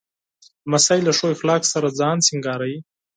لمسی له ښو اخلاقو سره ځان سینګاروي.